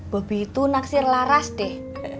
beby tuh naksir laras deh